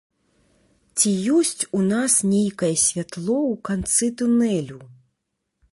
Ці ёсць у нас нейкае святло ў канцы тунелю?